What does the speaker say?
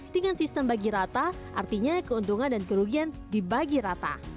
dengan sistem bagi rata artinya keuntungan dan kerugian dibagi rata